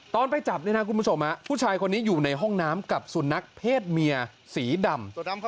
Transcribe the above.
ตอนไปจับผู้ชายคนนี้อยู่ในห้องน้ำกับสุนนักเพศเมียสีดำ